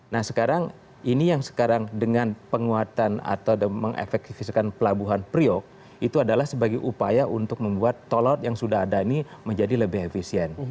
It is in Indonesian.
nah sekarang ini yang sekarang dengan penguatan atau mengefektifisikan pelabuhan priok itu adalah sebagai upaya untuk membuat tol laut yang sudah ada ini menjadi lebih efisien